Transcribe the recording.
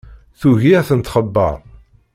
Tugi ad ten-txebber.